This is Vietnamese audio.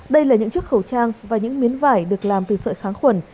đây là những chiếc khẩu trang và những miếng vải được làm từ sợi kháng khuẩn